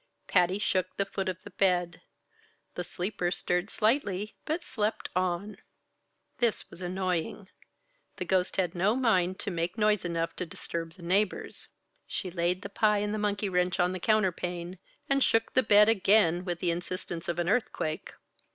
Patty shook the foot of the bed. The sleeper stirred slightly but slept on. This was annoying. The ghost had no mind to make noise enough to disturb the neighbors. She laid the pie and the monkey wrench on the counterpane, and shook the bed again, with the insistence of an earthquake.